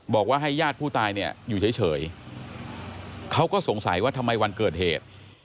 บอกว่าให้ญาติผู้ตายเนี่ยอยู่เฉยเขาก็สงสัยว่าทำไมวันเกิดเหตุ